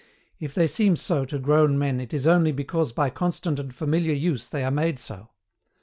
If they seem so to grown men it is only because by constant and familiar use they are made so.